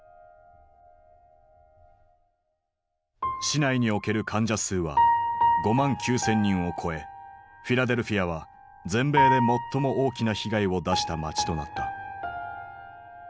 市内における患者数は５万９，０００人を超えフィラデルフィアは全米で最も大きな被害を出した街となった。